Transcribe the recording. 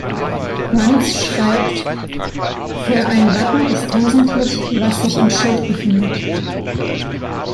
Mantzsch schreibt: „Für ein Wappen ist wesentlich, was sich im Schild befindet.